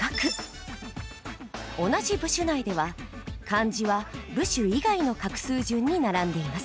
同じ部首内では漢字は部首以外の画数順に並んでいます。